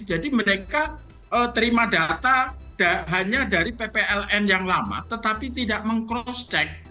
jadi mereka terima data hanya dari ppln yang lama tetapi tidak meng cross check